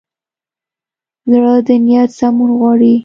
زړه د نیت سمون غواړي.